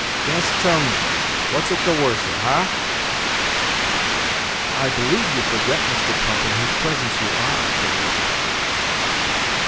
canst tell me, what's it the worser, ha?" "I believe you forget, Mr. Pump, in whose presence you are," said Elizabeth.